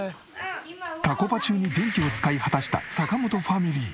たこパ中に電気を使い果たした坂本ファミリー。